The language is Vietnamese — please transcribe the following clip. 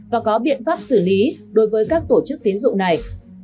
và có biện pháp xử lý đối với các tổ chức tiến dụng này